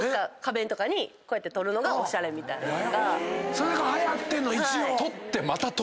それがはやってんの⁉